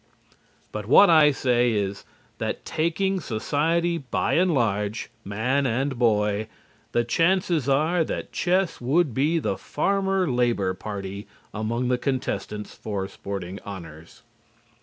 But what I say is, that taking society by and large, man and boy, the chances are that chess would be the Farmer Labor Party among the contestants for sporting honors.